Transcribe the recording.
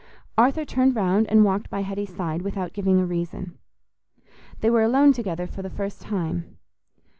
Arthur turned round and walked by Hetty's side without giving a reason. They were alone together for the first time.